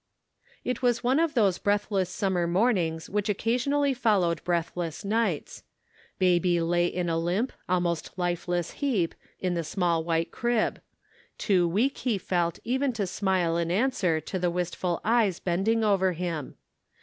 It was one of those breathless summer mornings which occasionally followed breathless nights. Baby lay in a limp, almost lifeless heap, in the small white crib ; too weak he felt even to smile an answer to the wistful eyes bending over him.